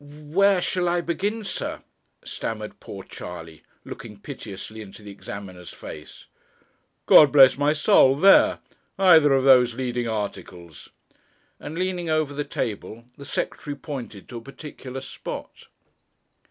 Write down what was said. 'Where shall I begin, sir?' stammered poor Charley, looking piteously into the examiner's face. 'God bless my soul! there; either of those leading articles,' and leaning over the table, the Secretary pointed to a particular spot.